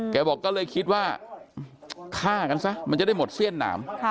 บอกก็เลยคิดว่าฆ่ากันซะมันจะได้หมดเสี้ยนหนาม